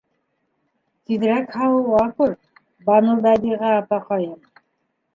Тиҙерәк һауыға күр, Банубәдиғә апаҡайым.